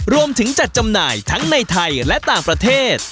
รวมถึงจัดจำหน่ายทั้งในไทยและต่างประเทศ